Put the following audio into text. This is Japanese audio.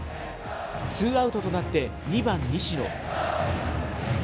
ツーアウトとなって２番西野。